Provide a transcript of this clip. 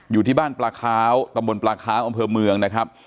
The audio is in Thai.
อยู่ที่บ้านปลาค้าวตำบลปลาค้างอำเภอเมืองนะครับ